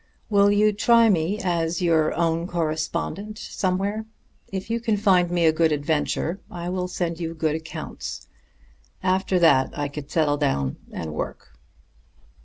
Will you try me as your Own Correspondent somewhere? If you can find me a good adventure I will send you good accounts. After that I could settle down and work."